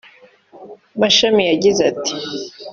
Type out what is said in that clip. Mashami yagize ati